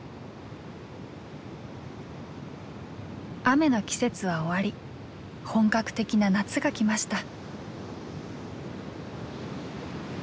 雨の季節は終わり本格的な夏が来ました。